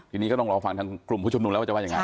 ทีนี้ก็ต้องรอฟังทางกลุ่มผู้ชมหนูแล้วว่าจะว่าอย่างงั้น